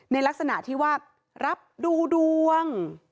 ในลักษณะที่ว่ารับดูดวง